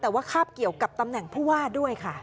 แต่ว่าคาบเกี่ยวกับตำแหน่งผู้ว่าด้วยค่ะ